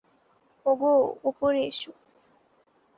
আগে ওপরে এসো।